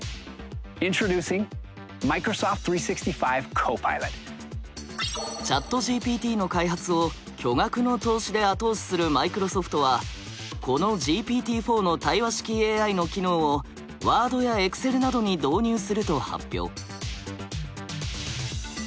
ＩｎｔｒｏｄｕｃｉｎｇＣｈａｔＧＰＴの開発を巨額の投資で後押しするマイクロソフトはこのＧＰＴー４の対話式ＡＩの機能を「ワード」や「エクセル」などに導入すると発表。